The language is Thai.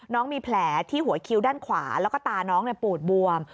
น้องมีแผลที่หัวคิ้วด้านขวาแล้วก็ตาน้องปูดบวม